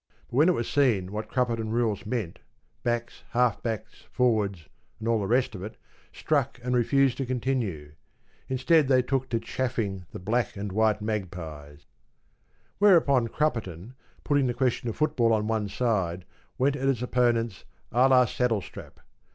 But when it was seen what Crupperton rules meant, backs, half backs, forwards, and all the rest of it, struck and refused to continue. Instead, they took to chaffing the ‘black and white magpies.’ Whereupon, Crupperton, putting the question of football on one side, went at its opponents à la Saddlestrap.